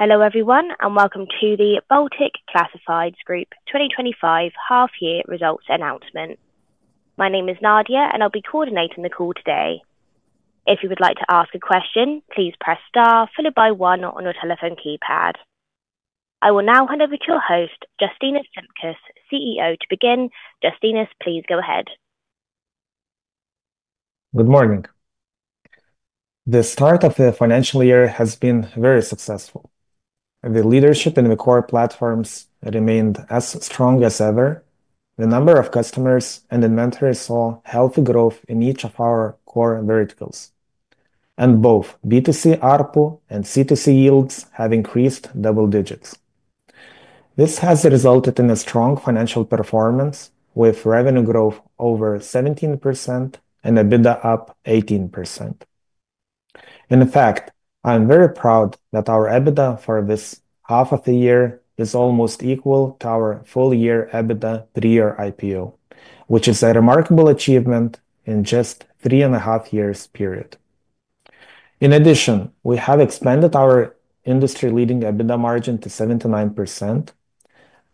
Hello everyone, and welcome to the Baltic Classifieds Group 2025 half-year results announcement. My name is Nadia, and I'll be coordinating the call today. If you would like to ask a question, please press star followed by one on your telephone keypad. I will now hand over to your host, Justinas Šimkus, CEO, to begin. Justinas, please go ahead. Good morning. The start of the financial year has been very successful. The leadership in the core platforms remained as strong as ever. The number of customers and inventories saw healthy growth in each of our core verticals, and both B2C ARPU and C2C yields have increased double digits. This has resulted in a strong financial performance, with revenue growth over 17% and EBITDA up 18%. In fact, I'm very proud that our EBITDA for this half of the year is almost equal to our full-year EBITDA three-year IPO, which is a remarkable achievement in just three and a half years period. In addition, we have expanded our industry-leading EBITDA margin to 79%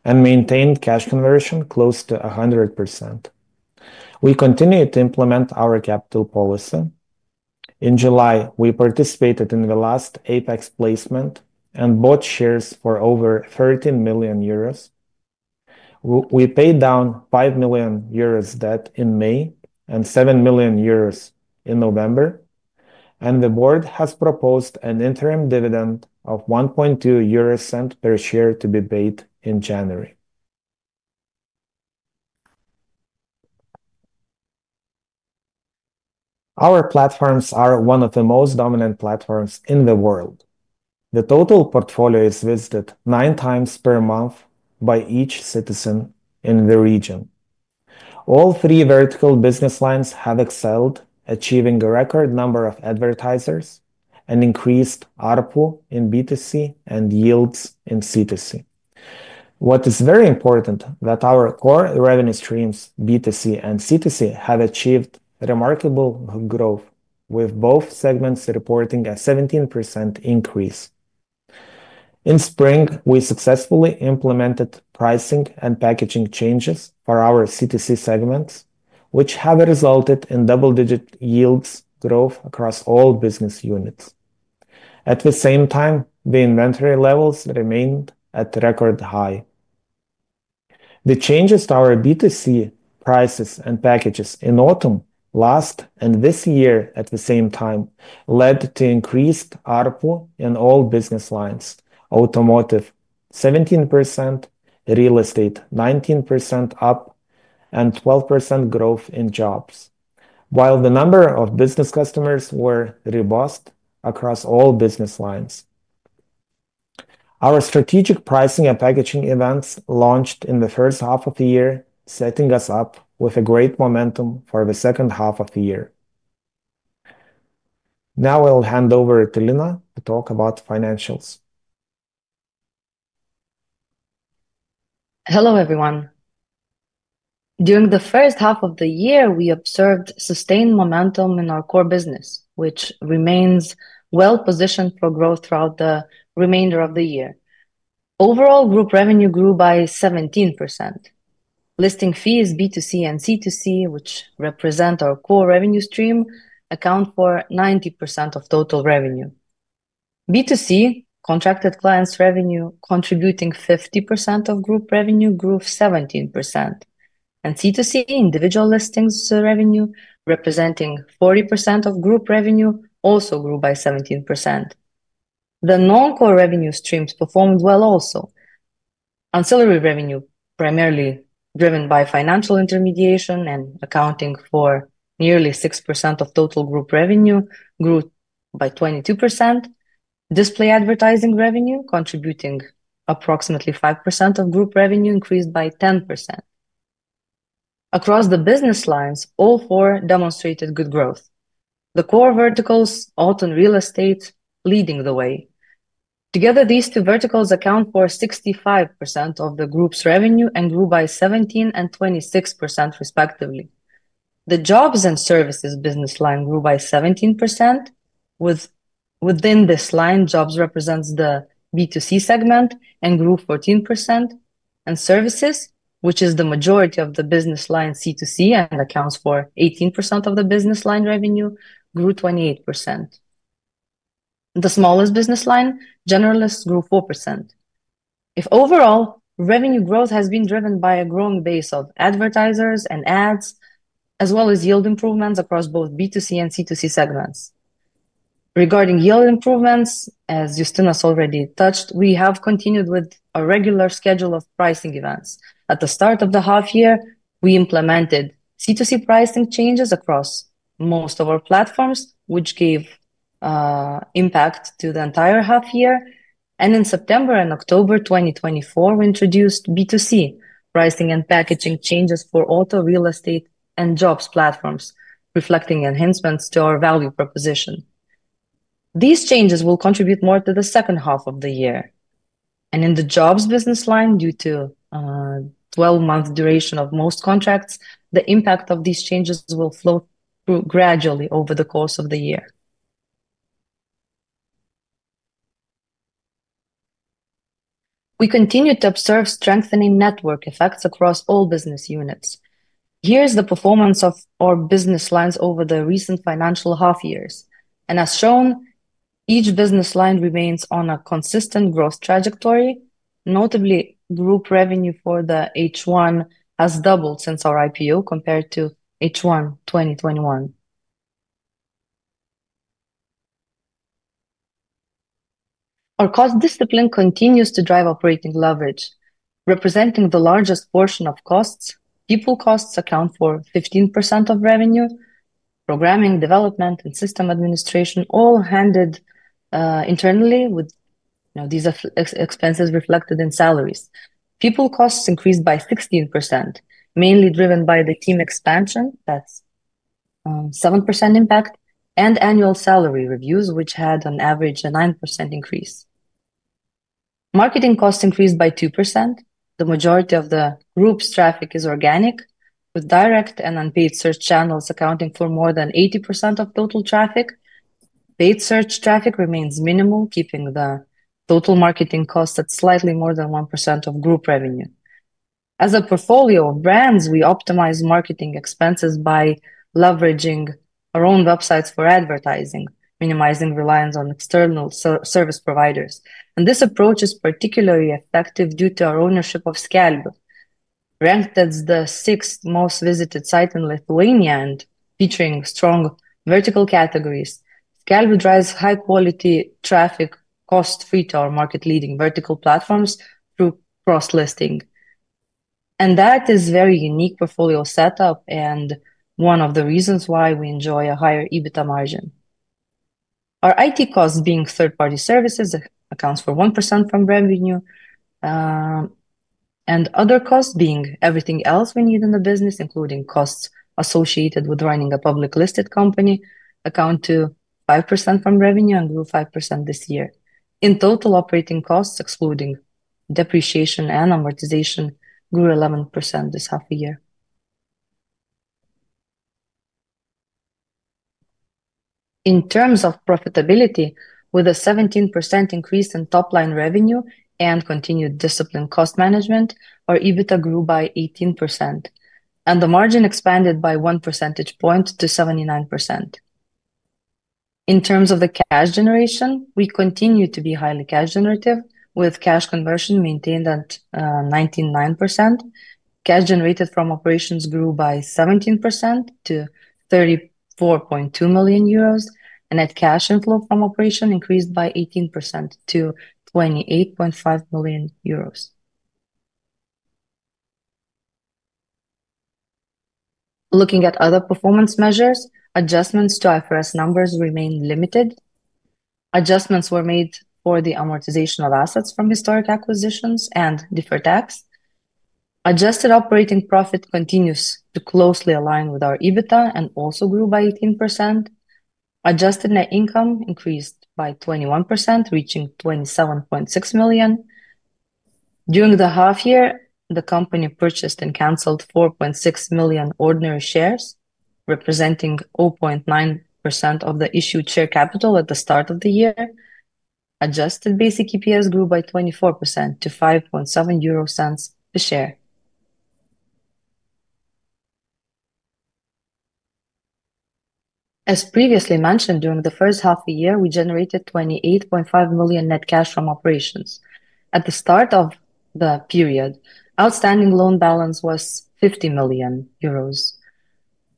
and maintained cash conversion close to 100%. We continue to implement our capital policy. In July, we participated in the last Apax placement and bought shares for over 13 million euros. We paid down 5 million euros debt in May and 7 million euros in November, and the board has proposed an interim dividend of 1.20 euro per share to be paid in January. Our platforms are one of the most dominant platforms in the world. The total portfolio is visited 9× per month by each citizen in the region. All three vertical business lines have excelled, achieving a record number of advertisers and increased ARPU in B2C and yields in C2C. What is very important is that our core revenue streams, B2C and C2C, have achieved remarkable growth, with both segments reporting a 17% increase. In spring, we successfully implemented pricing and packaging changes for our C2C segments, which have resulted in double-digit yields growth across all business units. At the same time, the inventory levels remained at record high. The changes to our B2C prices and packages in autumn, last, and this year at the same time, led to increased ARPU in all business lines: automotive 17%, real estate 19% up, and 12% growth in jobs, while the number of business customers were robust across all business lines. Our strategic pricing and packaging events launched in the first half of the year, setting us up with a great momentum for the second half of the year. Now I'll hand over to Lina to talk about financials. Hello everyone. During the first half of the year, we observed sustained momentum in our core business, which remains well-positioned for growth throughout the remainder of the year. Overall, group revenue grew by 17%. Listing fees, B2C and C2C, which represent our core revenue stream, account for 90% of total revenue. B2C contracted clients' revenue, contributing 50% of group revenue, grew 17%, and C2C individual listings revenue, representing 40% of group revenue, also grew by 17%. The non-core revenue streams performed well also. Ancillary revenue, primarily driven by financial intermediation and accounting for nearly 6% of total group revenue, grew by 22%. Display advertising revenue, contributing approximately 5% of group revenue, increased by 10%. Across the business lines, all four demonstrated good growth. The core verticals, auto and real estate, leading the way. Together, these two verticals account for 65% of the group's revenue and grew by 17% and 26%, respectively. The jobs and services business line grew by 17%. Within this line, jobs represents the B2C segment and grew 14%, and services, which is the majority of the business line C2C and accounts for 18% of the business line revenue, grew 28%. The smallest business line, generalists, grew 4%. In overall, revenue growth has been driven by a growing base of advertisers and ads, as well as yield improvements across both B2C and C2C segments. Regarding yield improvements, as Justinas already touched, we have continued with a regular schedule of pricing events. At the start of the half year, we implemented C2C pricing changes across most of our platforms, which gave impact to the entire half year. In September and October 2024, we introduced B2C pricing and packaging changes for auto, real estate, and jobs platforms, reflecting enhancements to our value proposition. These changes will contribute more to the second half of the year. In the jobs business line, due to the 12-month duration of most contracts, the impact of these changes will flow gradually over the course of the year. We continue to observe strengthening network effects across all business units. Here's the performance of our business lines over the recent financial half-years. As shown, each business line remains on a consistent growth trajectory. Notably, group revenue for the H1 has doubled since our IPO compared to H1 2021. Our cost discipline continues to drive operating leverage, representing the largest portion of costs. People costs account for 15% of revenue. Programming, development, and system administration all handled internally, with these expenses reflected in salaries. People costs increased by 16%, mainly driven by the team expansion. That's a 7% impact, and annual salary reviews, which had an average of a 9% increase. Marketing costs increased by 2%. The majority of the group's traffic is organic, with direct and unpaid search channels accounting for more than 80% of total traffic. Paid search traffic remains minimal, keeping the total marketing cost at slightly more than 1% of group revenue. As a portfolio of brands, we optimize marketing expenses by leveraging our own websites for advertising, minimizing reliance on external service providers and this approach is particularly effective due to our ownership of Skelbiu.lt, ranked as the sixth most visited site in Lithuania and featuring strong vertical categories. Skelbiu.lt drives high-quality traffic cost-free to our market-leading vertical platforms through cross-listing. That is a very unique portfolio setup and one of the reasons why we enjoy a higher EBITDA margin. Our IT costs, being third-party services, account for 1% from revenue, and other costs, being everything else we need in the business, including costs associated with running a public-listed company, account for 5% from revenue and grew 5% this year. In total, operating costs, excluding depreciation and amortization, grew 11% this half year. In terms of profitability, with a 17% increase in top-line revenue and continued disciplined cost management, our EBITDA grew by 18%, and the margin expanded by one percentage point to 79%. In terms of the cash generation, we continue to be highly cash-generative, with cash conversion maintained at 99%. Cash generated from operations grew by 17% to 34.2 million euros, and net cash inflow from operation increased by 18% to 28.5 million euros. Looking at other performance measures, adjustments to IFRS numbers remain limited. Adjustments were made for the amortization of assets from historic acquisitions and deferred tax. Adjusted operating profit continues to closely align with our EBITDA and also grew by 18%. Adjusted net income increased by 21%, reaching 27.6 million. During the half year, the company purchased and canceled 4.6 million ordinary shares, representing 0.9% of the issued share capital at the start of the year. Adjusted basic EPS grew by 24% to 5.7 euro per share. As previously mentioned, during the first half of the year, we generated 28.5 million net cash from operations. At the start of the period, outstanding loan balance was 50 million euros.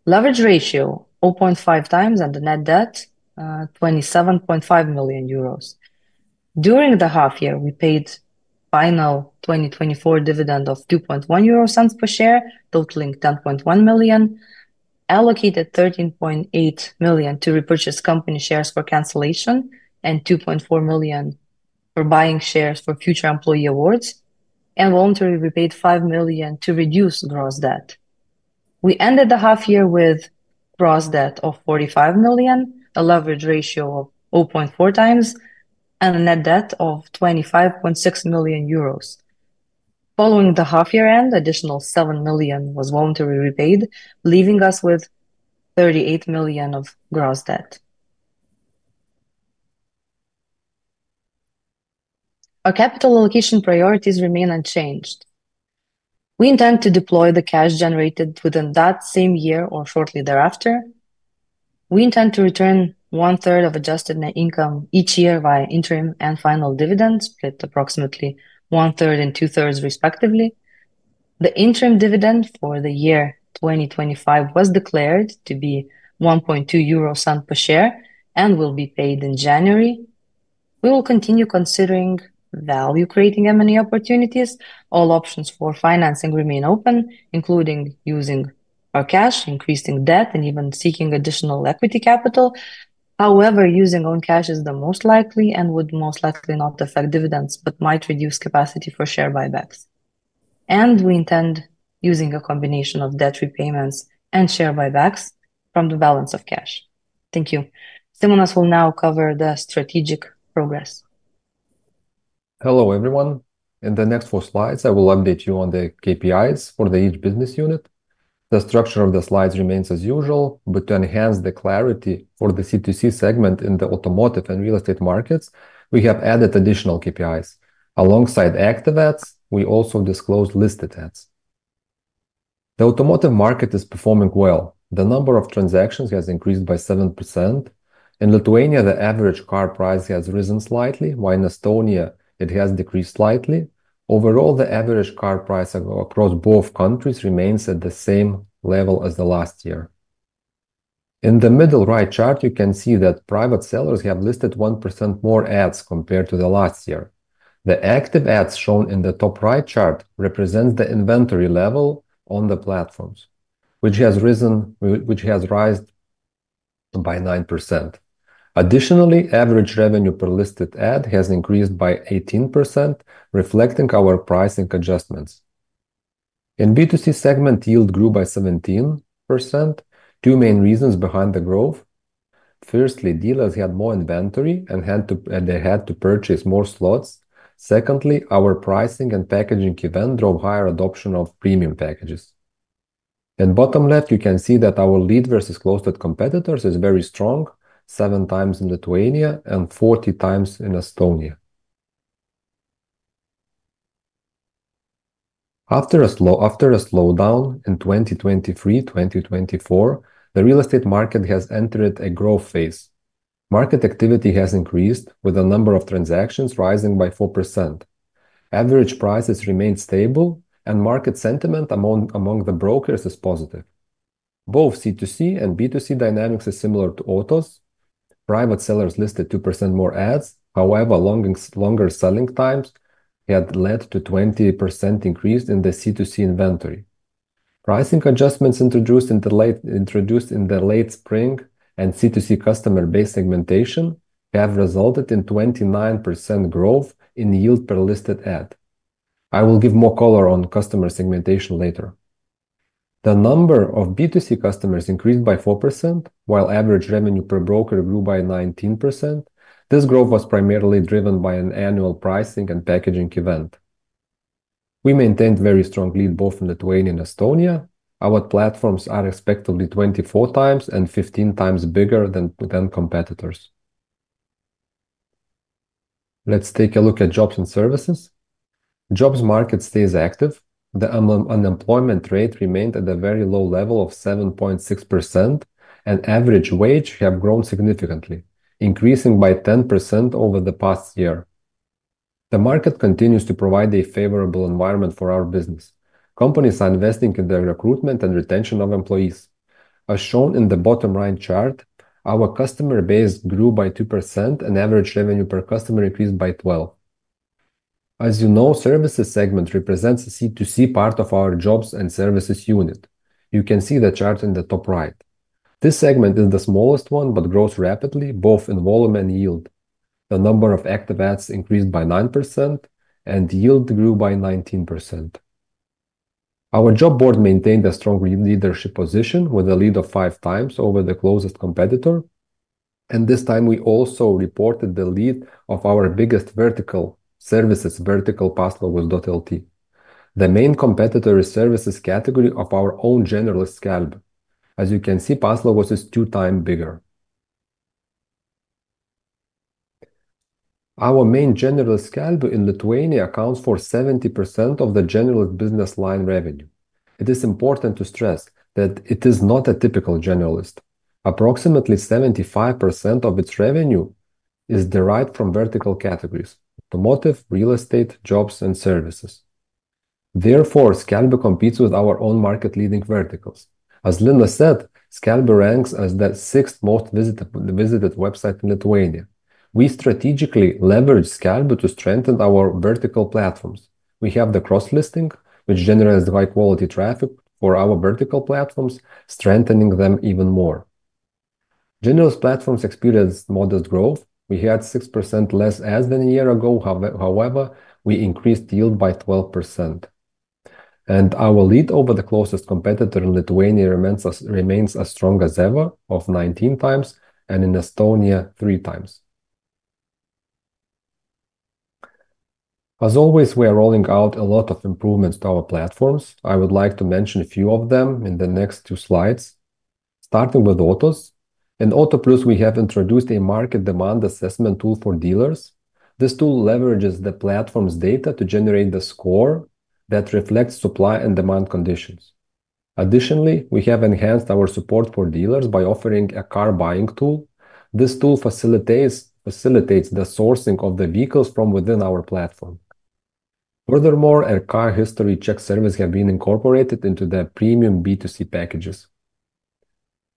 Leverage ratio 0.5×, and the net debt 27.5 million euros. During the half year, we paid final 2024 dividend of 2.1 euro per share, totaling 10.1 million. Allocated 13.8 million to repurchase company shares for cancellation and 2.4 million for buying shares for future employee awards, and voluntarily repaid 5 million to reduce gross debt. We ended the half-year with gross debt of 45 million, a leverage ratio of 0.4×, and a net debt of 25.6 million euros. Following the half-year end, additional 7 million was voluntarily repaid, leaving us with 38 million of gross debt. Our capital allocation priorities remain unchanged. We intend to deploy the cash generated within that same year or shortly thereafter. We intend to return 1/3 of adjusted net income each year via interim and final dividends, split approximately 1/3 and 2/3, respectively. The interim dividend for the year 2025 was declared to be 1.2 euro per share and will be paid in January. We will continue considering value-creating M&A opportunities. All options for financing remain open, including using our cash, increasing debt, and even seeking additional equity capital. However, using own cash is the most likely and would most likely not affect dividends but might reduce capacity for share buybacks, and we intend using a combination of debt repayments and share buybacks from the balance of cash. Thank you. Simonas will now cover the strategic progress. Hello everyone. In the next four slides, I will update you on the KPIs for each business unit. The structure of the slides remains as usual, but to enhance the clarity for the C2C segment in the automotive and real estate markets, we have added additional KPIs. Alongside active ads, we also disclose listed ads. The automotive market is performing well. The number of transactions has increased by 7%. In Lithuania, the average car price has risen slightly, while in Estonia, it has decreased slightly. Overall, the average car price across both countries remains at the same level as the last year. In the middle right chart, you can see that private sellers have listed 1% more ads compared to the last year. The active ads shown in the top right chart represent the inventory level on the platforms, which has risen by 9%. Additionally, average revenue per listed ad has increased by 18%, reflecting our pricing adjustments. In B2C segment, yield grew by 17%. Two main reasons behind the growth. Firstly, dealers had more inventory and had to purchase more slots. Secondly, our pricing and packaging event drove higher adoption of premium packages. In the bottom left, you can see that our lead versus closed-out competitors is very strong, 7× in Lithuania and 40× in Estonia. After a slowdown in 2023-2024, the real estate market has entered a growth phase. Market activity has increased, with the number of transactions rising by 4%. Average prices remain stable, and market sentiment among the brokers is positive. Both C2C and B2C dynamics are similar to autos. Private sellers listed 2% more ads. However, longer selling times had led to a 20% increase in the C2C inventory. Pricing adjustments introduced in the late spring and C2C customer base segmentation have resulted in a 29% growth in yield per listed ad. I will give more color on customer segmentation later. The number of B2C customers increased by 4%, while average revenue per broker grew by 19%. This growth was primarily driven by an annual pricing and packaging event. We maintained very strong lead both in Lithuania and Estonia. Our platforms are expected to be 24× and 15× bigger than competitors. Let's take a look at jobs and services. Jobs market stays active. The unemployment rate remained at a very low level of 7.6%, and average wage has grown significantly, increasing by 10% over the past year. The market continues to provide a favorable environment for our business. Companies are investing in the recruitment and retention of employees. As shown in the bottom right chart, our customer base grew by 2%, and average revenue per customer increased by 12%. As you know, the services segment represents the C2C part of our jobs and services unit. You can see the chart in the top right. This segment is the smallest one but grows rapidly, both in volume and yield. The number of active ads increased by 9%, and yield grew by 19%. Our job board maintained a strong leadership position, with a lead of five times over the closest competitor, and this time, we also reported the lead of our biggest vertical services, Vertical Paslaugos.lt. The main competitor is the services category of our own generalists, Skelbiu.lt. As you can see, Paslaugos.It is 2× bigger. Our main generalist, Skelbiu.lt, in Lithuania accounts for 70% of the generalist business line revenue. It is important to stress that it is not a typical generalist. Approximately 75% of its revenue is derived from vertical categories: automotive, real estate, jobs, and services. Therefore, Skelbiu.lt competes with our own market-leading verticals. As Lina said, Skelbiu.lt ranks as the sixth most visited website in Lithuania. We strategically leverage Skelbiu.lt to strengthen our vertical platforms. We have the cross-listing, which generates high-quality traffic for our vertical platforms, strengthening them even more. Generalist platforms experienced modest growth. We had 6% less ads than a year ago. However, we increased yield by 12%, and our lead over the closest competitor in Lithuania remains as strong as ever, of 19×, and in Estonia, 3×. As always, we are rolling out a lot of improvements to our platforms. I would like to mention a few of them in the next two slides, starting with autos. In Autoplius.lt, we have introduced a market demand assessment tool for dealers. This tool leverages the platform's data to generate the score that reflects supply and demand conditions. Additionally, we have enhanced our support for dealers by offering a car-buying tool. This tool facilitates the sourcing of the vehicles from within our platform. Furthermore, a car history check service has been incorporated into the premium B2C packages.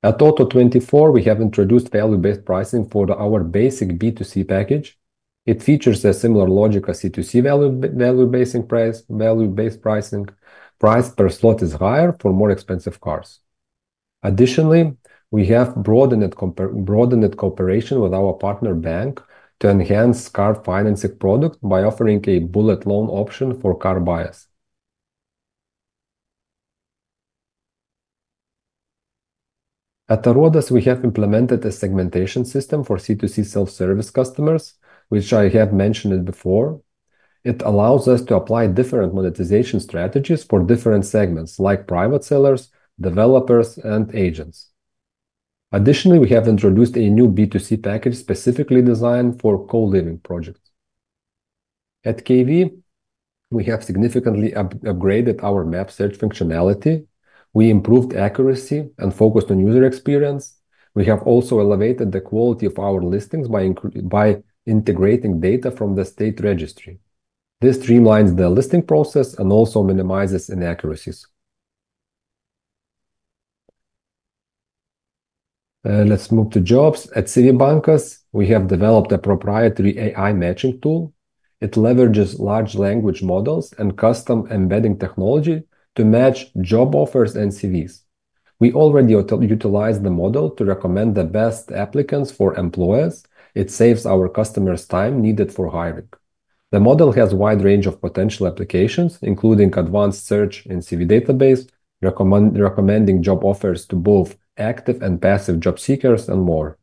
At Auto24, we have introduced value-based pricing for our basic B2C package. It features a similar logic as C2C value-based pricing. Price per slot is higher for more expensive cars. Additionally, we have broadened cooperation with our partner bank to enhance car financing products by offering a bullet loan option for car buyers. At Aruodas.lt, we have implemented a segmentation system for C2C self-service customers, which I have mentioned before. It allows us to apply different monetization strategies for different segments, like private sellers, developers, and agents. Additionally, we have introduced a new B2C package specifically designed for co-living projects. At KV, we have significantly upgraded our map search functionality. We improved accuracy and focused on user experience. We have also elevated the quality of our listings by integrating data from the state registry. This streamlines the listing process and also minimizes inaccuracies. Let's move to jobs. At CVbankas, we have developed a proprietary AI matching tool. It leverages large language models and custom embedding technology to match job offers and CVs. We already utilize the model to recommend the best applicants for employers. It saves our customers time needed for hiring. The model has a wide range of potential applications, including advanced search and CV database, recommending job offers to both active and passive job seekers and more.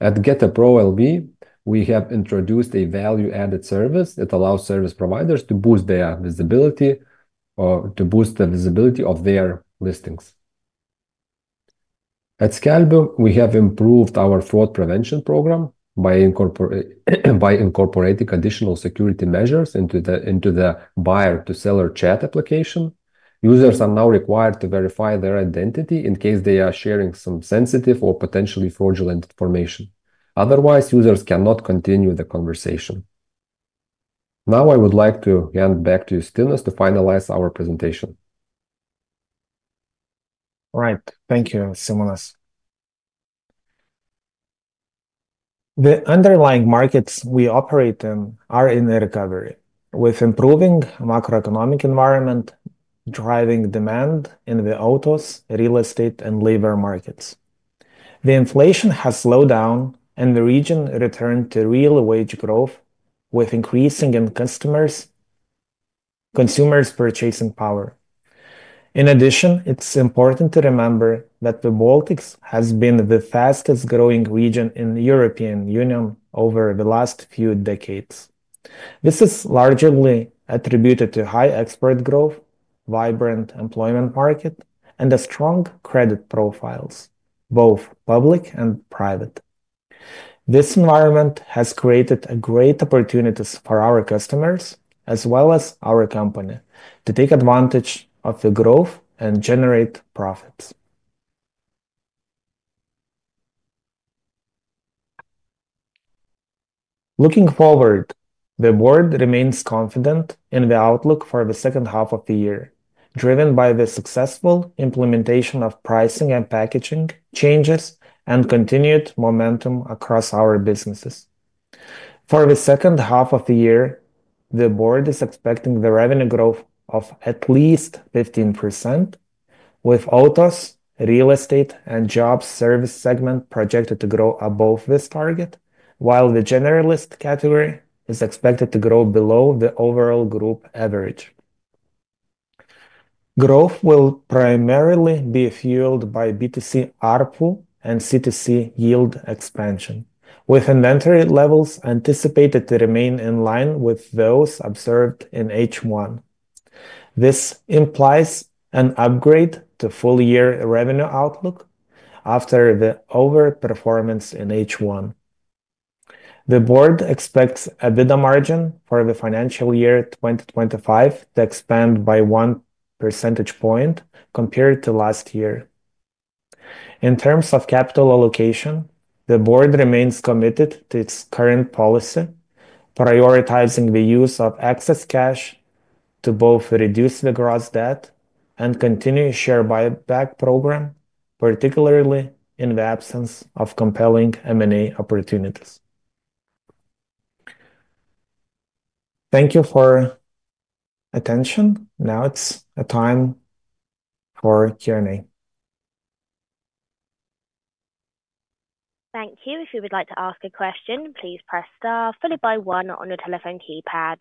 At GetaPro.lv, we have introduced a value-added service. It allows service providers to boost their visibility or to boost the visibility of their listings. At Skelbiu.lt, we have improved our fraud prevention program by incorporating additional security measures into the buyer-to-seller chat application. Users are now required to verify their identity in case they are sharing some sensitive or potentially fraudulent information. Otherwise, users cannot continue the conversation. Now, I would like to hand back to you, Justinas, to finalize our presentation. All right. Thank you, Simonas. The underlying markets we operate in are in recovery, with an improving macroeconomic environment driving demand in the autos, real estate, and labor markets. The inflation has slowed down, and the region returned to real wage growth, with an increase in customers' and consumers' purchasing power. In addition, it's important to remember that the Baltics has been the fastest-growing region in the European Union over the last few decades. This is largely attributed to high export growth, vibrant employment market, and strong credit profiles, both public and private. This environment has created great opportunities for our customers, as well as our company, to take advantage of the growth and generate profits. Looking forward, the board remains confident in the outlook for the second half of the year, driven by the successful implementation of pricing and packaging changes and continued momentum across our businesses. For the second half of the year, the board is expecting the revenue growth of at least 15%, with autos, real estate, and jobs and services segment projected to grow above this target, while the generalist category is expected to grow below the overall group average. Growth will primarily be fueled by B2C ARPU and C2C yield expansion, with inventory levels anticipated to remain in line with those observed in H1. This implies an upgrade to full-year revenue outlook after the overperformance in H1. The board expects an EBITDA margin for the financial year 2025 to expand by one percentage point compared to last year. In terms of capital allocation, the board remains committed to its current policy, prioritizing the use of excess cash to both reduce the gross debt and continue the share buyback program, particularly in the absence of compelling M&A opportunities. Thank you for your attention. Now it's time for Q&A. Thank you. If you would like to ask a question, please press star followed by one on your telephone keypad.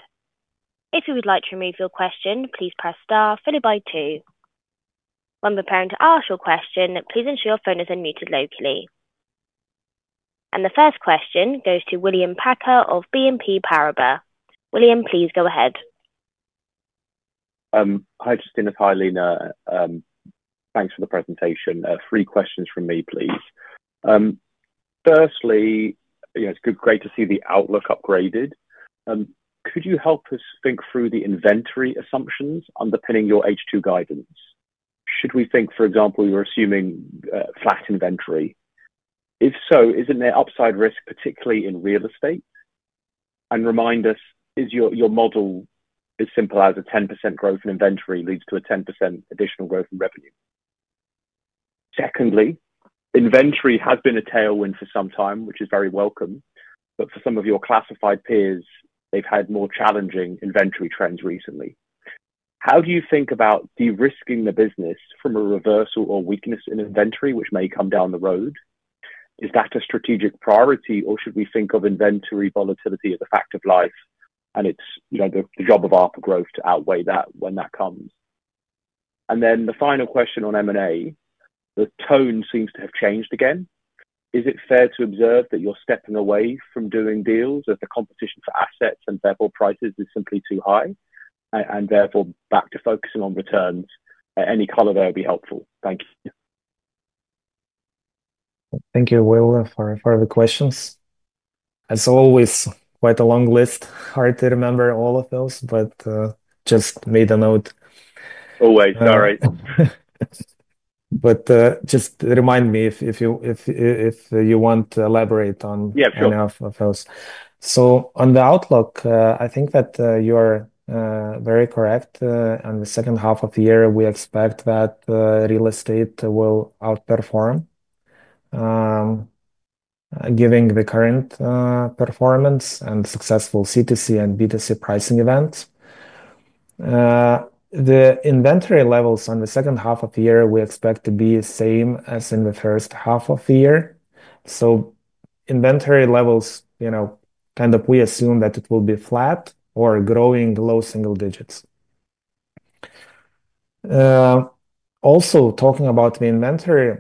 If you would like to remove your question, please press star followed by two. When preparing to ask your question, please ensure your phone is unmuted locally. The first question goes to William Packer of BNP Paribas. William, please go ahead. Hi, Justinas. Hi, Lina. Thanks for the presentation. Three questions from me, please. Firstly, it's great to see the outlook upgraded. Could you help us think through the inventory assumptions underpinning your H2 guidance? Should we think, for example, you're assuming flat inventory? If so, isn't there upside risk, particularly in real estate? Remind us, your model is simple as a 10% growth in inventory leads to a 10% additional growth in revenue. Secondly, inventory has been a tailwind for some time, which is very welcome, but for some of your classified peers, they've had more challenging inventory trends recently. How do you think about de-risking the business from a reversal or weakness in inventory, which may come down the road? Is that a strategic priority, or should we think of inventory volatility as a fact of life and the job of ARPU growth to outweigh that when that comes? Then, the final question on M&A, the tone seems to have changed again. Is it fair to observe that you're stepping away from doing deals as the competition for assets and therefore prices is simply too high and therefore, back to focusing on returns. Any color there would be helpful. Thank you. Thank you for the questions. As always, quite a long list. Hard to remember all of those, but just made a note. Always. All right. But just remind me if you want to elaborate on any of those. Yeah, sure. So on the outlook, I think that you are very correct. In the second half of the year, we expect that real estate will outperform, given the current performance and successful C2C and B2C pricing events. The inventory levels on the second half of the year, we expect to be the same as in the first half of the year. So inventory levels, kind of we assume that it will be flat or growing low single digits. Also, talking about the inventory,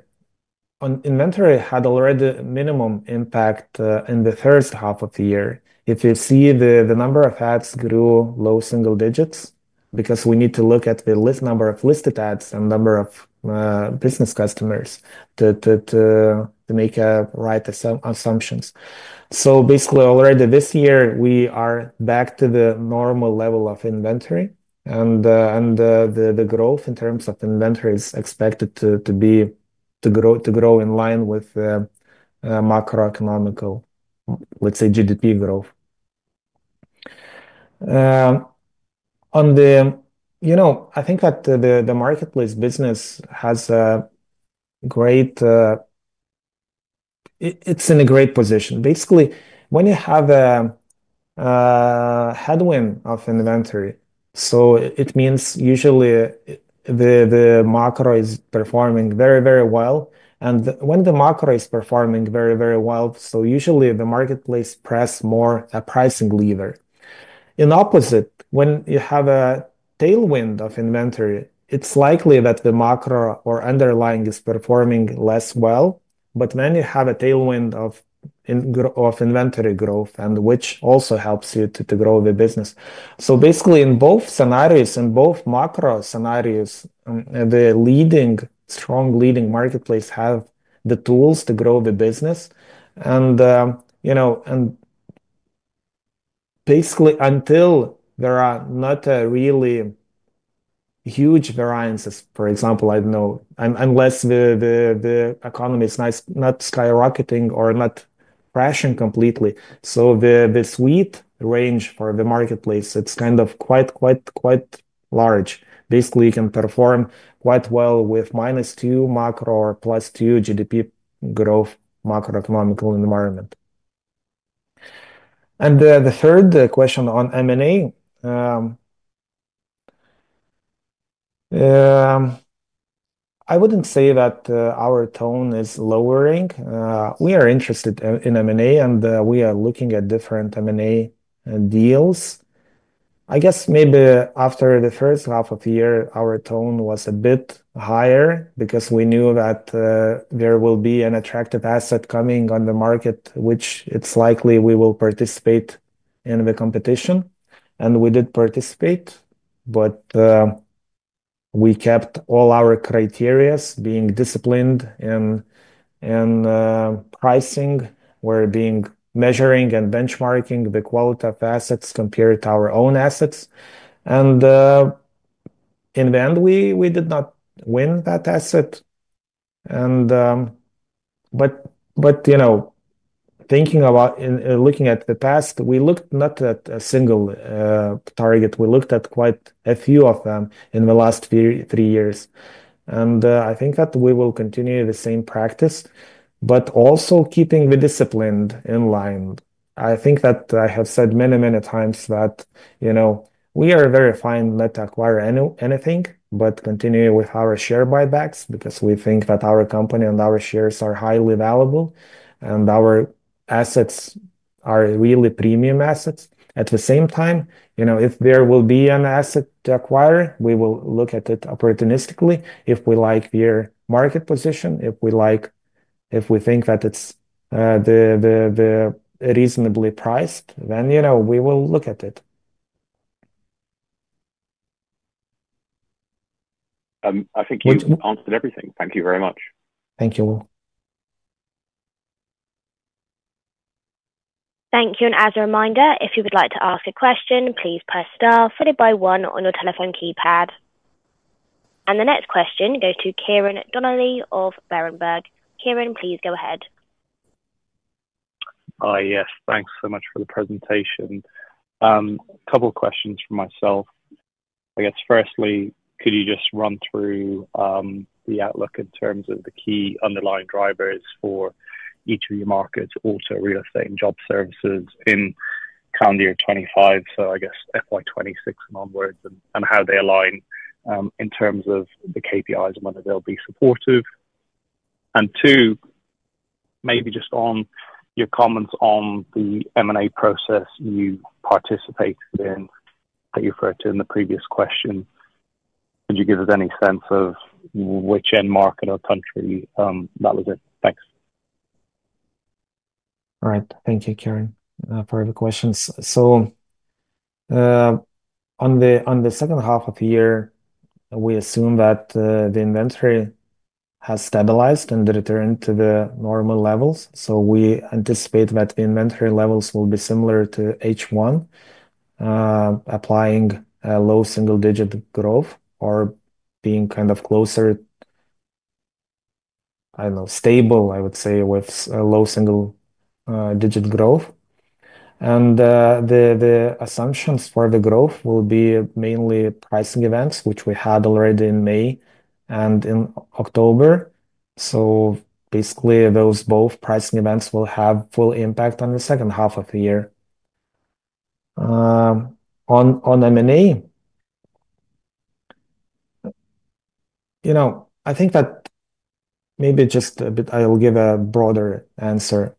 inventory had already minimum impact in the first half of the year. If you see the number of ads grew low single digits, because we need to look at the number of listed ads and number of business customers to make the right assumptions. So basically, already this year, we are back to the normal level of inventory. The growth in terms of inventory is expected to grow in line with macroeconomic, let's say, GDP growth. I think that the marketplace business has a great position. Basically, when you have a headwind of inventory, so it means usually the macro is performing very, very well. When the macro is performing very, very well, so usually the marketplace presses more a pricing lever. In opposite, when you have a tailwind of inventory, it's likely that the macro or underlying is performing less well. Then you have a tailwind of inventory growth, which also helps you to grow the business. Basically, in both scenarios, in both macro scenarios, the strong leading marketplace has the tools to grow the business. Basically, until there are not really huge variances, for example, I don't know, unless the economy is not skyrocketing or not crashing completely, so the sweet range for the marketplace, it's kind of quite large. Basically, you can perform quite well with -2 macro or +2 GDP growth macroeconomic environment. The third question on M&A, I wouldn't say that our tone is lowering. We are interested in M&A, and we are looking at different M&A deals. I guess maybe after the first half of the year, our tone was a bit higher because we knew that there will be an attractive asset coming on the market, which it's likely we will participate in the competition. We did participate, but we kept all our criteria, being disciplined in pricing, we're being measuring and benchmarking the quality of assets compared to our own assets. In the end, we did not win that asset. Thinking about looking at the past, we looked not at a single target. We looked at quite a few of them in the last three years. I think that we will continue the same practice, but also keeping the discipline in line. I think that I have said many, many times that we are very fine not to acquire anything, but continue with our share buybacks because we think that our company and our shares are highly valuable, and our assets are really premium assets. At the same time, if there will be an asset to acquire, we will look at it opportunistically. If we like your market position, if we think that it's reasonably priced, then we will look at it. I think you've answered everything. Thank you very much. Thank you. Thank you. As a reminder, if you would like to ask a question, please press star followed by one on your telephone keypad. The next question goes to Ciarán Donnelly of Berenberg. Ciarán, please go ahead. Hi, yes. Thanks so much for the presentation. A couple of questions for myself. I guess, firstly, could you just run through the outlook in terms of the key underlying drivers for each of your markets, auto, real estate, and job services in calendar year 2025, so I guess FY26 and onwards, and how they align in terms of the KPIs and whether they'll be supportive? Two, maybe just on your comments on the M&A process you participated in that you referred to in the previous question, could you give us any sense of which end market or country? That was it. Thanks. All right. Thank you, Ciarán, for the questions. So on the second half of the year, we assume that the inventory has stabilized and returned to the normal levels. So we anticipate that the inventory levels will be similar to H1, applying low single-digit growth or being kind of closer, I don't know, stable, I would say, with low single-digit growth. The assumptions for the growth will be mainly pricing events, which we had already in May and in October. So basically, those both pricing events will have full impact on the second half of the year. On M&A, I think that maybe just a bit I'll give a broader answer.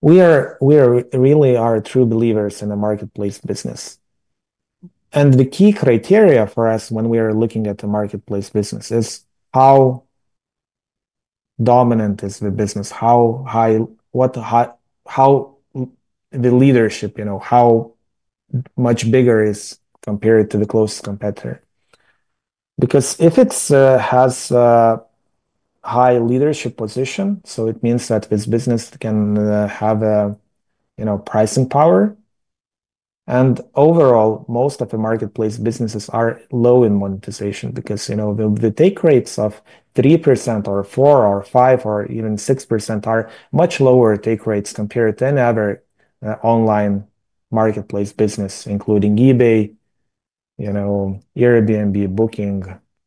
We really are true believers in a marketplace business. The key criteria for us when we are looking at the marketplace business is how dominant is the business, how high the leadership, how much bigger is compared to the closest competitor, because if it has a high leadership position, so it means that this business can have pricing power. Overall, most of the marketplace businesses are low in monetization because the take rates of 3% or 4% or 5% or even 6% are much lower take rates compared to any other online marketplace business, including eBay, Airbnb, Booking,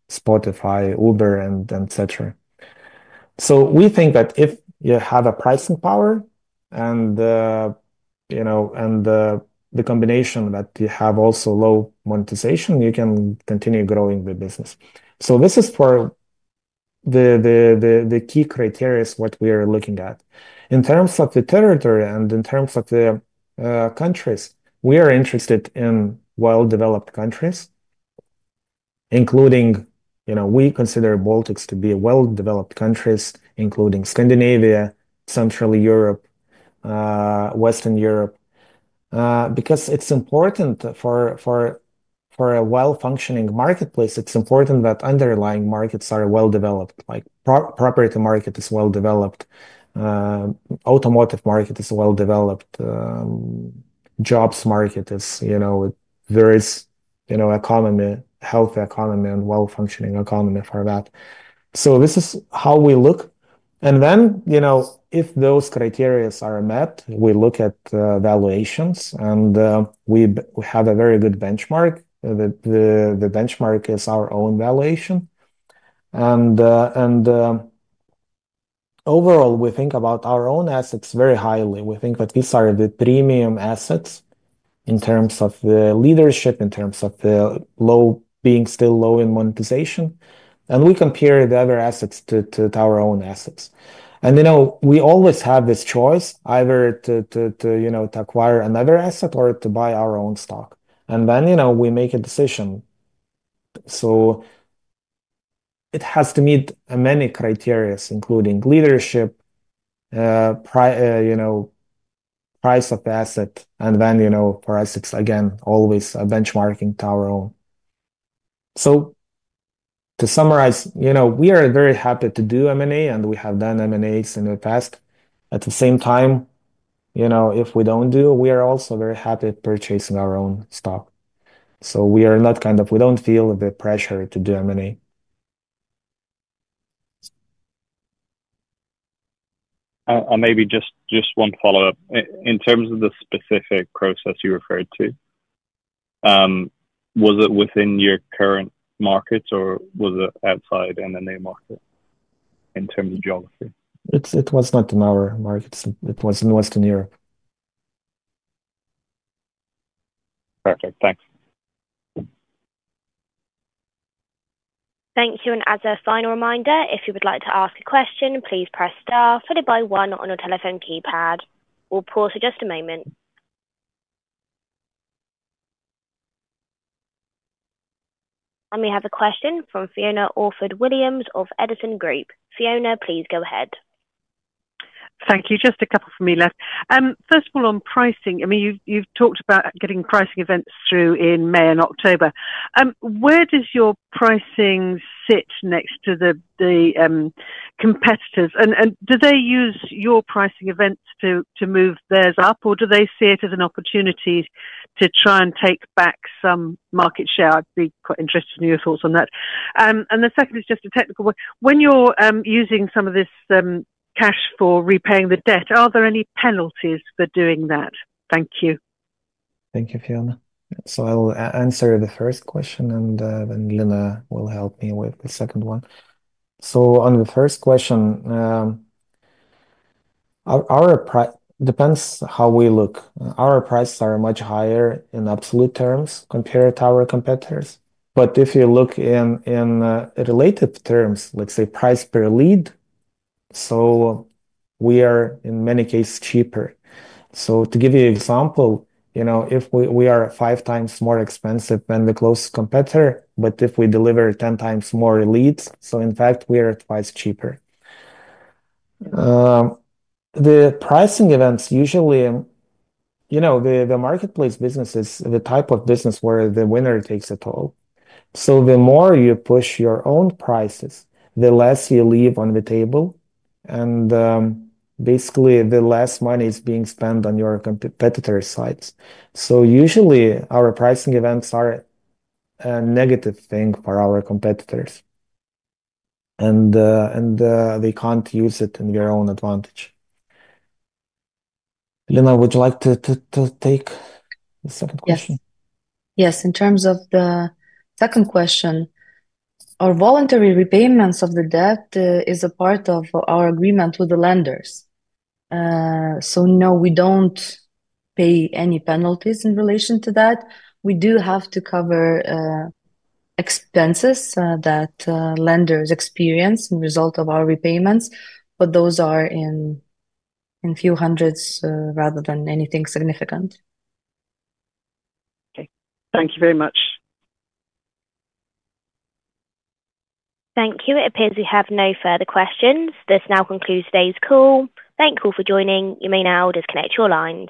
Spotify, Uber, and etc. We think that if you have pricing power and the combination that you have also low monetization, you can continue growing the business. This is for the key criteria is what we are looking at. In terms of the territory and in terms of the countries, we are interested in well-developed countries, including we consider the Baltics to be well-developed countries, including Scandinavia, Central Europe, Western Europe, because it's important for a well-functioning marketplace, it's important that underlying markets are well-developed, like the property market is well-developed, the automotive market is well-developed, the jobs market is, there is a healthy economy and well-functioning economy for that. So this is how we look, and then if those criteria are met, we look at valuations, and we have a very good benchmark. The benchmark is our own valuation, and overall, we think about our own assets very highly. We think that these are the premium assets in terms of the leadership, in terms of being still low in monetization, and we compare the other assets to our own assets. We always have this choice, either to acquire another asset or to buy our own stock. Then we make a decision. So it has to meet many criteria, including leadership, price of the asset, and then for us, it's again always a benchmarking to our own. So to summarize, we are very happy to do M&A, and we have done M&As in the past. At the same time, if we don't do, we are also very happy purchasing our own stock. So we are not kind of, we don't feel the pressure to do M&A. Maybe just one follow-up. In terms of the specific process you referred to, was it within your current markets, or was it outside M&A market in terms of geography? It was not in our markets. It was in Western Europe. Perfect. Thanks. Thank you. As a final reminder, if you would like to ask a question, please press star followed by one on your telephone keypad. We'll pause for just a moment. We have a question from Fiona Orford-Williams of Edison Group. Fiona, please go ahead. Thank you. Just a couple for me left. First of all, on pricing, I mean, you've talked about getting pricing events through in May and October. Where does your pricing sit next to the competitors? Do they use your pricing events to move theirs up, or do they see it as an opportunity to try and take back some market share? I'd be quite interested in your thoughts on that. The second is just a technical one. When you're using some of this cash for repaying the debt, are there any penalties for doing that? Thank you. Thank you, Fiona. So I'll answer the first question, and then Lina will help me with the second one. So on the first question, it depends how we look. Our prices are much higher in absolute terms compared to our competitors. But if you look in related terms, let's say price per lead, so we are in many cases cheaper. So to give you an example, we are 5× more expensive than the closest competitor, but if we deliver 10× more leads, so in fact, we are twice cheaper. The pricing events, usually the marketplace business is the type of business where the winner takes it all. So the more you push your own prices, the less you leave on the table. Basically, the less money is being spent on your competitor's sides. So usually, our pricing events are a negative thing for our competitors and they can't use it in their own advantage. Lina, would you like to take the second question? Yes. In terms of the second question, our voluntary repayments of the debt is a part of our agreement with the lenders. So no, we don't pay any penalties in relation to that. We do have to cover expenses that lenders experience as a result of our repayments, but those are in a few hundreds rather than anything significant. Okay. Thank you very much. Thank you. It appears we have no further questions. This now concludes today's call. Thank you all for joining. You may now disconnect your lines.